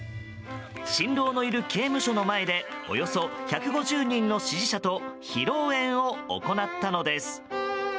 新郎のいる刑務所の前でおよそ１５０人の支持者と披露宴を行ったのです。